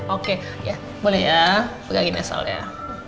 oke ya boleh ya pegangin asalnya